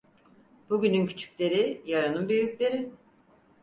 Bugünün küçükleri yarının büyükleri.